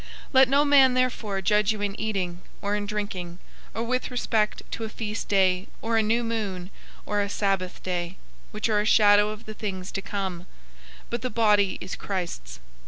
002:016 Let no man therefore judge you in eating, or in drinking, or with respect to a feast day or a new moon or a Sabbath day, 002:017 which are a shadow of the things to come; but the body is Christ's.